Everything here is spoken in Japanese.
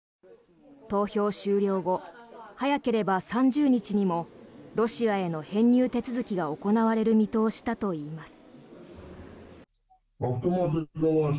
投票終了後、早ければ３０日にもロシアへの編入手続きが行われる見通しだといいます。